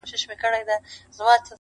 یو نغمه ګره نقاسي کوومه ښه کوومه,